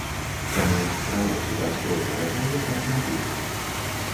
Таму, страляць у бяззбройнага чалавека не буду.